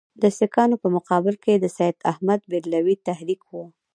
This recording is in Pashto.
د سیکهانو په مقابل کې د سید احمدبرېلوي تحریک وو.